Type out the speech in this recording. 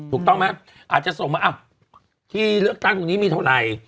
ถูกต้องไหมอาจจะส่งมาที่เลือกตั้งตรงนี้มีเท่าไหร่